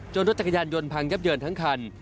รถจักรยานยนต์พังยับเยินทั้งคัน